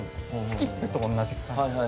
スキップと同じ感じ。